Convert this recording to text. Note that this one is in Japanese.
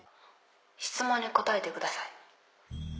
質問に答えてください。